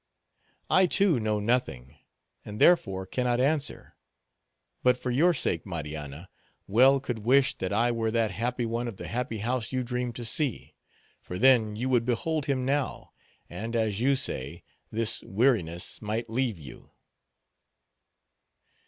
"I, too, know nothing; and, therefore, cannot answer; but, for your sake, Marianna, well could wish that I were that happy one of the happy house you dream you see; for then you would behold him now, and, as you say, this weariness might leave you."